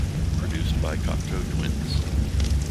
Produced by Cocteau Twins.